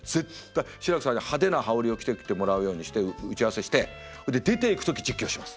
志らくさんが派手な羽織を着てきてもらうようにして打ち合わせしてそれで出ていく時実況します。